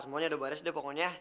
semuanya udah beres deh pokoknya